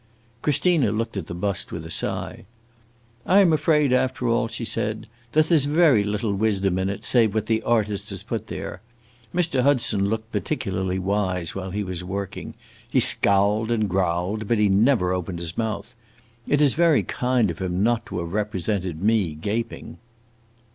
Christina looked at the bust with a sigh. "I am afraid, after all," she said, "that there 's very little wisdom in it save what the artist has put there. Mr. Hudson looked particularly wise while he was working; he scowled and growled, but he never opened his mouth. It is very kind of him not to have represented me gaping."